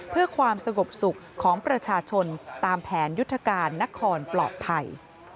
เพื่อความสงบสุขของประชาชนตามแผนยุทธการนครปลอดภัย